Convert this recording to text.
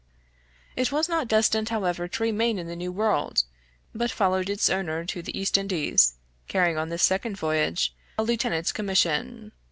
It was not destined, however, to remain in the new world, but followed its owner to the East Indies, carrying on this second voyage, a lieutenant's commission.